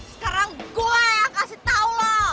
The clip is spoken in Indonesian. sekarang gue yang kasih tau lo